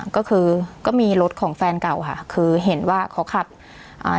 ก็คือก็มีรถของแฟนเก่าค่ะคือเห็นว่าเขาขับอ่า